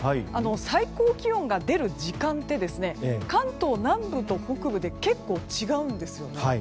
最高気温が出る時間って関東南部と北部で結構違うんですよね。